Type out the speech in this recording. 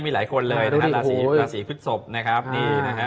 หลาสีพฤตศพดีเลยนะนี่